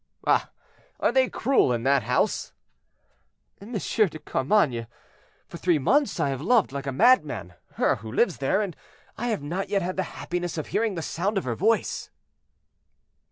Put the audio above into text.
"Ah! are they cruel in that house?" "M. de Carmainges, for three months I have loved like a madman her who lives there, and I have not yet had the happiness of hearing the sound of her voice."